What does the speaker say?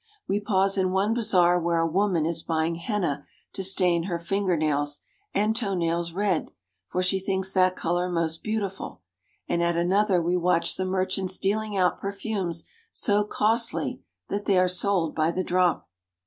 We pause in one bazaar where a woman is buying henna to stain her finger nails and toe nails red, for she thinks that color most beautiful; and at another we watch the mer chants dealing out perfumes so costly that they are sold by the drop.